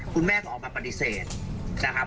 คุณแม่ก็ออกมาปฏิเสธนะครับ